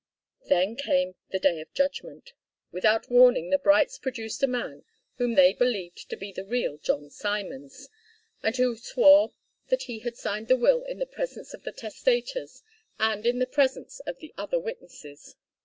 Then came the day of judgment. Without warning the Brights produced a man whom they believed to be the real John Simons, and who swore that he had signed the will in the presence of the testators and in the presence of the other witnesses.